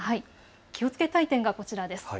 気をつけたい点がこちらです。